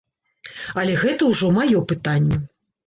Але гэта ўжо маё пытанне.